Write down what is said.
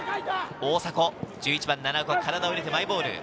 １１番・奈良岡、体を入れてマイボール。